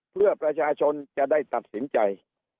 เพื่อประชาชนจะได้ตัดสินใจ